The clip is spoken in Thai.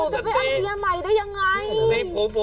จะไปเอาเมียใหม่ได้ยังไง